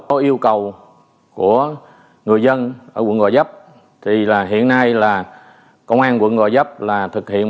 có yêu cầu của người dân ở quận gò vấp thì hiện nay là công an quận gò vấp là thực hiện